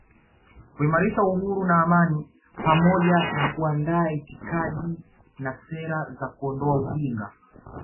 kuimarisha uhuru na amani pamoja na kuandaa itikadi na sera za kuondoa ujinga